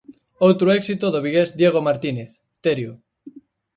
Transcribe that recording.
Outro éxito do vigués Diego Martínez, Terio.